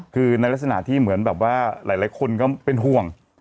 คือในลักษณะที่เหมือนแบบว่าหลายคนก็เป็นห่วง